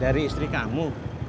dari istri kamu